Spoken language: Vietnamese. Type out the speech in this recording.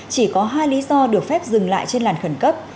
chỉ có hai lý do được phép dừng lại trên làn khẩn cấp